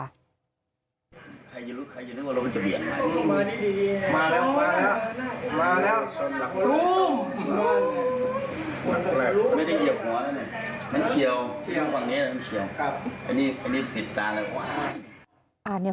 อันนี้ผิดตาแล้วกว่า